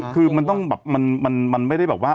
คือมันไม่ได้แบบว่า